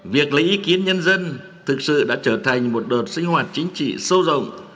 việc lấy ý kiến nhân dân thực sự đã trở thành một đợt sinh hoạt chính trị sâu rộng